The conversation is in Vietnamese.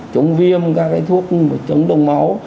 chống viêm các cái thuốc chống đông máu